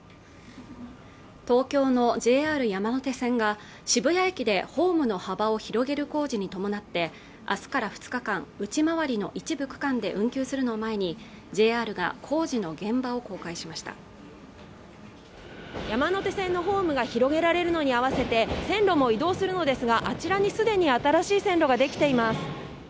東京のＪＲ山手線が渋谷駅でホームの幅を広げる工事に伴ってあすから２日間内回りの一部区間で運休するのを前にＪＲが工事の現場を公開しました山手線のホームが広げられるのに合わせて線路も移動するのですがあちらにすでに新しい線路ができています